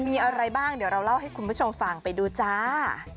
มีอะไรบ้างเดี๋ยวเราเล่าให้คุณผู้ชมฟังไปดูจ้า